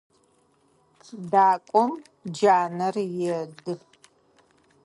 Дакӏом джанэр еды.